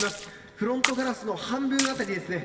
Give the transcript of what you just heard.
フロントガラスの半分辺りですね